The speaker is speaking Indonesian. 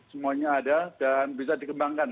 semuanya ada dan bisa dikembangkan